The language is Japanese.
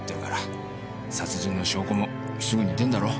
殺人の証拠もすぐに出んだろう。